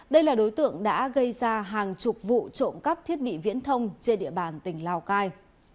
đây là đối tượng đã gây ra hàng chục vụ trộm cắp thiết bị viễn thông trên địa bàn tỉnh lào cai